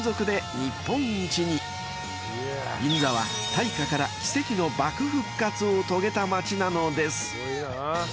［銀座は大火から奇跡の爆復活を遂げた街なのです］